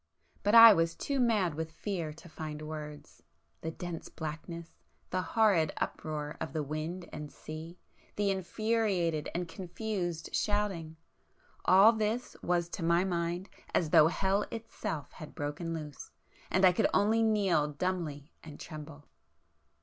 But I was too mad with fear to find words;—the dense blackness,—the horrid uproar of the wind and sea,—the infuriated and confused shouting,—all this was to my mind as though hell itself had broken loose, and I could only kneel dumbly and tremble.